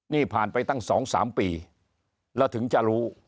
นี่ผ่านไปตั้ง๒๓ปีแล้วถึงจะรู้